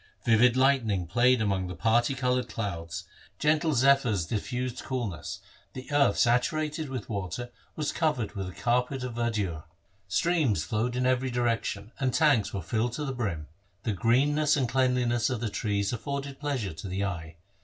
Vivid lightning played among the parti coloured clouds, gentle zephyrs 1 Gauri. LIFE OF GURU HAR GOBIND 101 diffused coolness, the earth saturated with water was covered with a carpet of verdure. Streams flowed in every direction, and tanks were filled to the brim. The greenness and the cleanliness of the trees afforded pleasure to the eye.